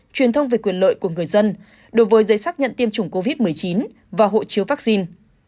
truyền thông về quyền lợi của người dân đối với giấy xác nhận tiêm chủng covid một mươi chín và hộ chiếu vaccine